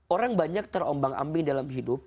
orang banyak terombang ambing dalam hidup